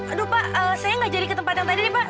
aduh pak saya gak jadi ke tempat yang tadi nih pak